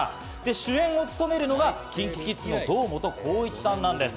主演を務めるのがＫｉｎＫｉＫｉｄｓの堂本光一さんなんです。